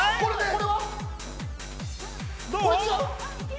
◆これは？